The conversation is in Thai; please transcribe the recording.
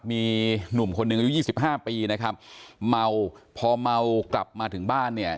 มีหนุ่มคนหนึ่งอายุยี่สิบห้าปีนะครับเมาพอเมากลับมาถึงบ้านเนี่ย